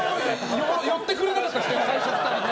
寄ってくれなかったですね。